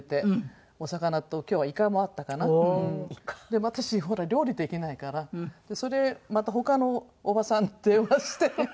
でも私ほら料理できないからそれまた他のおばさんに電話して。